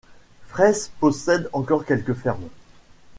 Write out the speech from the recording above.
Fraisse possède encore quelques fermes.